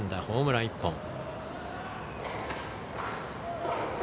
ホームラン１本。